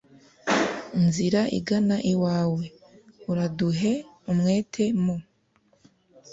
nzira igana iwawe, araduhe umwete mu